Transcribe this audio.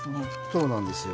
そうなんですよ。